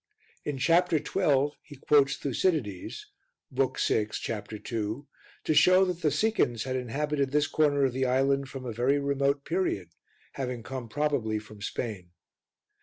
In Chapter XII. he quotes Thucydides (vi. 2), to show that the Sicans had inhabited this corner of the island from a very remote period, having come probably from Spain.